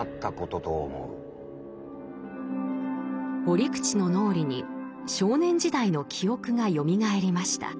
折口の脳裏に少年時代の記憶がよみがえりました。